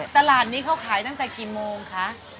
ตลาดนี้เขาขายตั้งแต่กี่โมงคะ